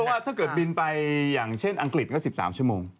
เพราะว่าถ้าเกิดบินไปอย่างเช่นอังกฤษก็๑๓ชั่วโมง